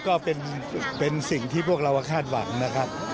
ก็เป็นสิ่งที่พวกเราก็คาดหวังนะครับ